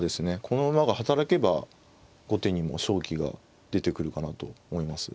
この馬が働けば後手にも勝機が出てくるかなと思います。